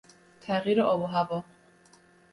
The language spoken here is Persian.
تغییر آب و هوا